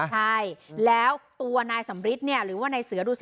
ใช่แล้วตัวนายสำริทหรือว่านายเสือดูสิ